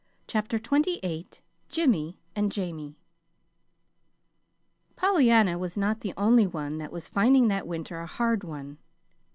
CHAPTER XXVIII JIMMY AND JAMIE Pollyanna was not the only one that was finding that winter a hard one.